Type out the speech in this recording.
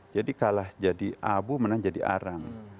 kalah jadi abu menang jadi arang